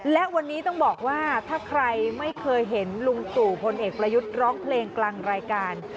และวันนี้ต้องบอกว่าถ้าใครไม่เคยเห็นลุงตู่พลเอกประยุทธ์ร้องเพลงกลางรายการ